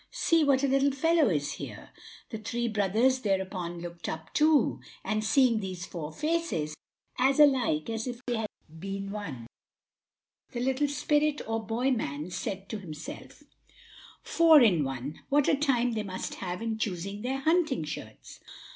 see what a little fellow is here." The three others thereupon looked up, too, and seeing these four faces, as alike as if they had been one, the little spirit or boy man said to himself: "Four in one! What a time they must have in choosing their hunting shirts!"